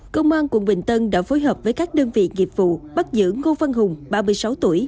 công an quận bình tân đã phối hợp với các đơn vị nghiệp vụ bắt giữ ngô văn hùng ba mươi sáu tuổi